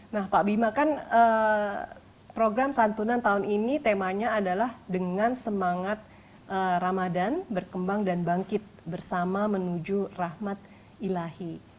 nah pak bima kan program santunan tahun ini temanya adalah dengan semangat ramadan berkembang dan bangkit bersama menuju rahmat ilahi